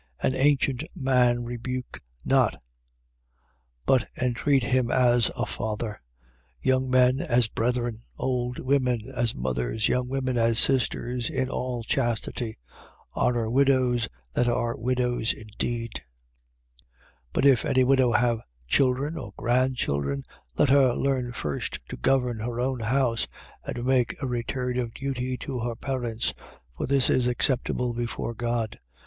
5:1. An ancient man rebuke not, but entreat him as a father: young men, as brethren: 5:2. Old women, as mothers: young women, as sisters, in all chastity. 5:3. Honour widows that are widows indeed. 5:4. But if any widow have children or grandchildren, let her learn first to govern her own house and to make a return of duty to her parents; for this is acceptable before God.